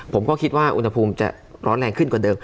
ผมก็คิดว่าอุณหภูมิจะร้อนแรงขึ้นกว่าเดิม